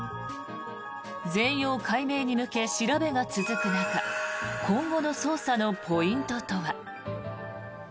全容解明に向け、調べが進む中今後の捜査のポイントとは。